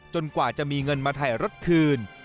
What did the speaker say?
จนกว่าจะมีเงินมาไถรถคืน